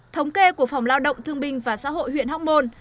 thống kê của phòng lao động thương binh và xã hội huyện hóc môn